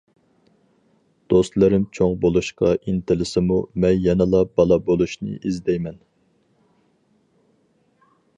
دوستلىرىم چوڭ بولۇشقا ئىنتىلسىمۇ، مەن يەنىلا بالا بولۇشنى ئىزدەيمەن.